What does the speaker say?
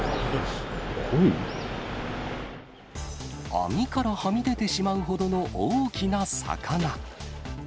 網からはみ出てしまうほどの大きな魚。